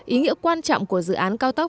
ý nghĩa quan trọng của dự án cao tốc